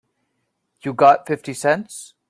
You got fifty cents?